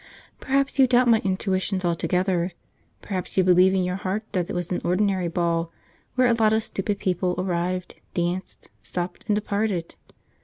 Perhaps you doubt my intuitions altogether. Perhaps you believe in your heart that it was an ordinary ball, where a lot of stupid people arrived, danced, supped, and departed.